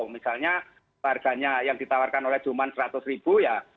misalnya harganya yang ditawarkan oleh cuma rp seratus ya